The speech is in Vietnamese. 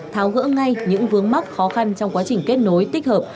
tháo gỡ ngay những vướng mắc khó khăn trong quá trình kết nối tích hợp